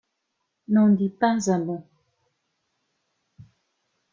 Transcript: n’en dit pas un mot.